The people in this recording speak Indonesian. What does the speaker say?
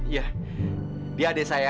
iya dia adik saya